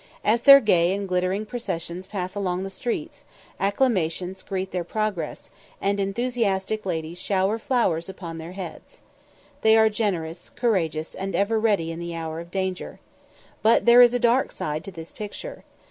As their gay and glittering processions pass along the streets, acclamations greet their progress, and enthusiastic ladies shower flowers upon their heads. They are generous, courageous, and ever ready in the hour of danger. But there is a dark side to this picture.